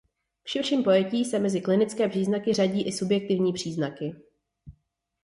V širším pojetí se mezi klinické příznaky řadí i subjektivní příznaky.